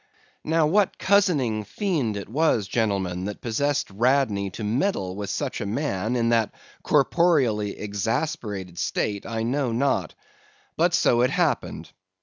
Now what cozening fiend it was, gentlemen, that possessed Radney to meddle with such a man in that corporeally exasperated state, I know not; but so it happened.